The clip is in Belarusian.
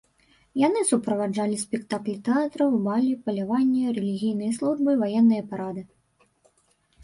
Яны суправаджалі спектаклі тэатраў, балі, паляванні, рэлігійныя службы, ваенныя парады.